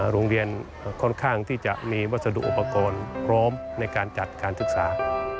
โรงเรียนค่อนข้างที่จะมีวัสดุอุปกรณ์พร้อมในการจัดการศึกษา